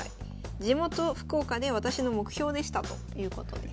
地元福岡で私の目標でしたということです。